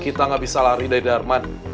kita nggak bisa lari dari darman